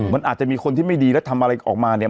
มันอาจจะมีคนที่ไม่ดีแล้วทำอะไรออกมาเนี่ย